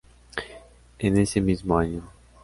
En ese mismo año.